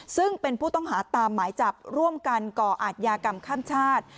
ซึ่งเป็นผู้ต้องหาตามหมายจับร่วมกันก่ออาทยากรรมข้ามชาติ